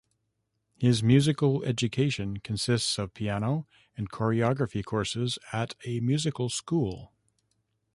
His musical education consists of piano and choreography courses at a musical school.